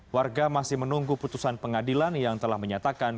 warga masih menunggu putusan pengadilan yang telah menyatakan